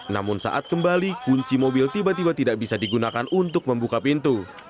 namun saat kembali kunci mobil tiba tiba tidak bisa digunakan untuk membuka pintu